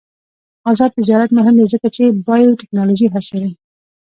آزاد تجارت مهم دی ځکه چې بایوټیکنالوژي هڅوي.